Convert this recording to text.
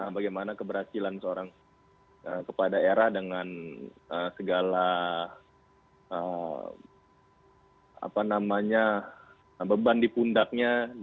bagaimana keberhasilan seorang kepala daerah dengan segala beban di pundaknya